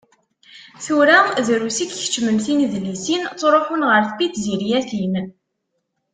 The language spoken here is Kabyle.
Tura drus i ikeččmen tinedlisin, ttruḥun ɣer tpizziryatin.